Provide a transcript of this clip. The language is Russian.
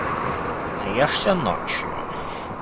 Наешься ночью.